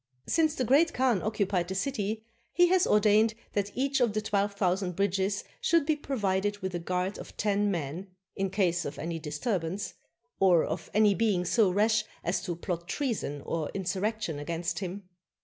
Since the Great Khan occupied the city, he has or dained that each of the twelve thousand bridges should be provided with a guard of ten men, in case of any disturbance, or of any being so rash as to plot treason or insurrection against him.